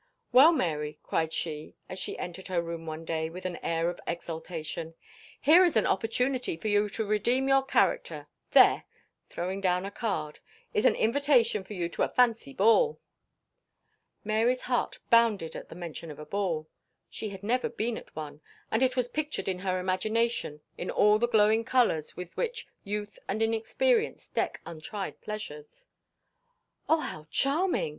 "Well, Mary," cried she, as she entered her room one day with an air of exultation, "here is an opportunity for you to redeem your character. There," throwing down a card, "is an invitation for you to a fancy ball." Mary's heart bounded at the mention of a ball. She had never been at one, and it was pictured in her imagination in all the glowing colours with which youth and inexperience deck untried pleasures. "Oh, how charming!"